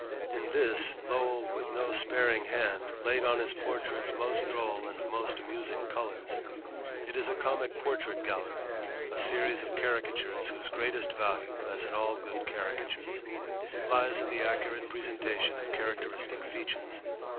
In this Lowell with no sparing hand laid on his portraits most droll and amusing colors. It is a comic portrait gallery, a series of caricatures whose greatest value (as in all good caricatures) lies in the accurate presentation of characteristic features.